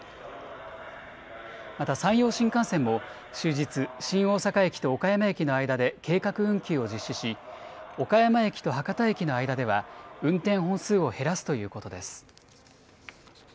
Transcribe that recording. また山陽新幹線も、終日、新大阪駅と岡山駅の間で計画運休を実施し、岡山駅と博多駅の間では、運転本数を減らすということです。